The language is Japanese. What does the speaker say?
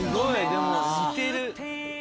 でも似てる。